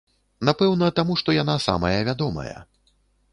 Напэўна, таму што яна самая вядомая.